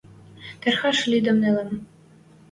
Тырхаш лидӹм нелӹм